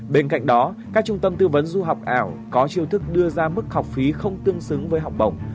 bên cạnh đó các trung tâm tư vấn du học ảo có chiêu thức đưa ra mức học phí không tương xứng với học bổng